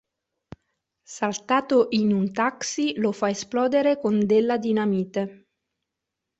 Saltato in un taxi, lo fa esplodere con della dinamite.